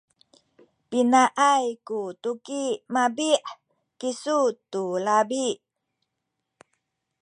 pinaay ku tuki mabi’ kisu tu labi?